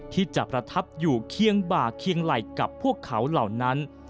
ที่จะประทับอยู่เคียงบ่าเคียงไหล่กับพวกเขาเหล่านั้น